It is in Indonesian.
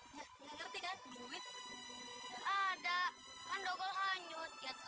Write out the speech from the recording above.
ya telurnya juga hanyut tuh